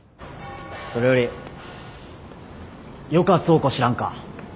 それよりよか倉庫知らんか？